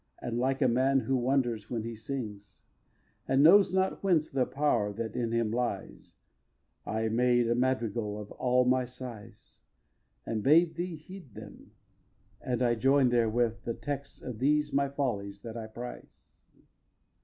And like a man who wonders when he sings, And knows not whence the power that in him lies, I made a madrigal of all my sighs And bade thee heed them; and I join'd therewith The texts of these my follies that I prize.